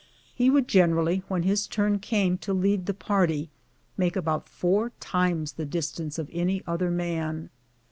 He would generally, when his turn came to lead the party, make about four times the distance of any other man.